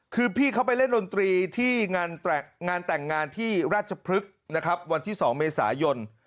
คือพี่เขาไปเล่นดนตรีที่งานแต่งงานที่ราชพฤกษ์นะครับวันที่๒เมษายน